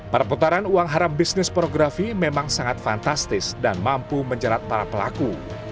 perputaran uang haram bisnis pornografi memang sangat fantastis dan mampu menjerat para pelaku